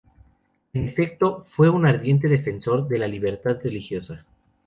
En efecto, fue un ardiente defensor de la libertad religiosa.